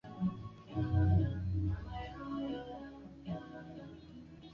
binadamu Metheni ni gesi joto hatari sana inayofanyiza ozoni kwenye